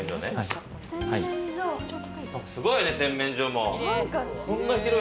すごいね、洗面所も。